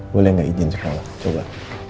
boleh nggak izin sekolah coba